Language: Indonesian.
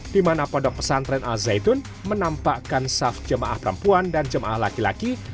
di mana pondok pesantren al zaitun menampakkan saf jemaah perempuan dan jemaah laki laki